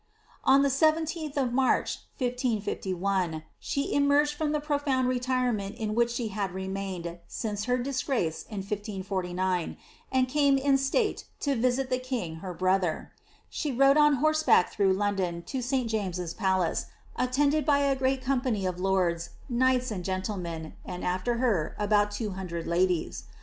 On the 17th of March, 1551, she emerged from the profound retire ment in which she had remained since her disgrace in 1 549, and came in state to visit the king her brother. She rode on horseback through London to St. James's palace, attended by a great company of lords, knights, and gentlemen, and after her about two hundred ladies.